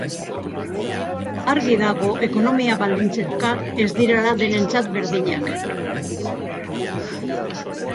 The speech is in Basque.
Argi dago ekonomia baldintzak ez direla denentzat berdinak.